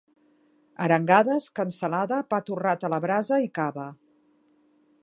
Arengades, cansalada, pa torrat a la brasa i cava.